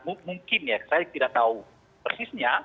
kalau misalnya mungkin ya saya tidak tahu persisnya